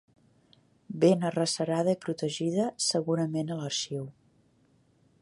Ben arrecerada i protegida, segurament a l'arxiu.